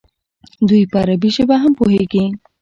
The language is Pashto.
دوی په عربي ژبه هم پوهېږي.